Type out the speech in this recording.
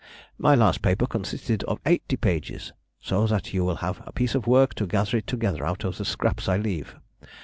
My last paper consisted of eighty pages, so that you will have a piece of work to gather it together out of the scraps I leave.